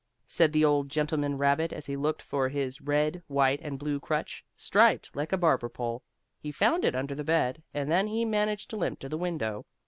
said the old gentleman rabbit as he looked for his red, white and blue crutch, striped like a barber pole. He found it under the bed, and then he managed to limp to the window.